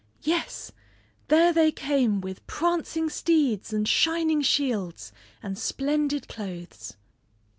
Yes, there they came with prancing steeds and shining shields, and splendid clothes!